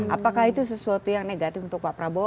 apakah itu sesuatu yang negatif untuk pak prabowo